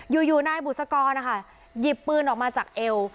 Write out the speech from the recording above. อยู่นายบุษกรนะคะหยิบปืนออกมาจากเอว